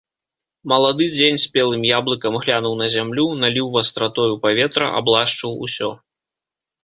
Малады дзень спелым яблыкам глянуў на зямлю, наліў вастратою паветра, аблашчыў усё.